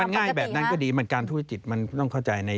มันง่ายแบบนั้นก็ดีมันการทุจิตมันต้องเข้าใจ